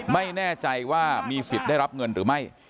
ไม่แน่ใจว่ามีสิทธิ์ได้รับเงินหรือไม่